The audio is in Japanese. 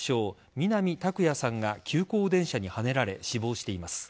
南拓哉さんが急行電車にはねられ死亡しています。